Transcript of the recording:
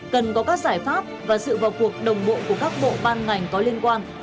cần có các giải pháp và sự vào cuộc đồng bộ của các bộ ban ngành có liên quan